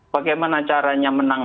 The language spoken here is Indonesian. bagaimana caranya menang